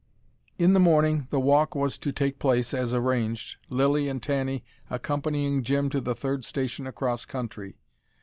In the morning, the walk was to take place, as arranged, Lilly and Tanny accompanying Jim to the third station across country.